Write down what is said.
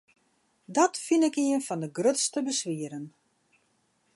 Dat fyn ik ien fan de grutste beswieren.